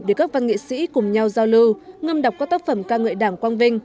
để các văn nghệ sĩ cùng nhau giao lưu ngâm đọc các tác phẩm ca ngợi đảng quang vinh